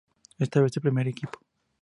Esta vez al primer equipo.